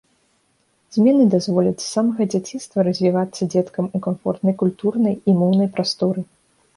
Змены дазволяць з самага дзяцінства развівацца дзеткам у камфортнай культурнай і моўнай прасторы.